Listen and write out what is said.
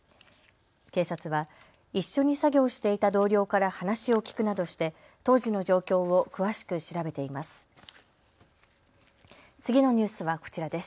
警察は一緒に作業していた同僚から話を聞くなどして当時の状況を詳しく調べています。